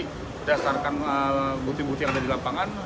berdasarkan bukti bukti yang ada di lapangan